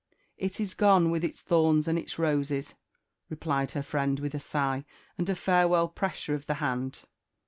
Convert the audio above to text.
"It is gone, with its thorns and its roses," replied er friend with a sigh, and a farewell pressure of the hand.